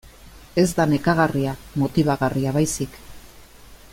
Ez da nekagarria, motibagarria baizik.